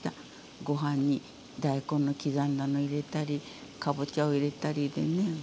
ご飯に大根の刻んだの入れたりかぼちゃを入れたりでね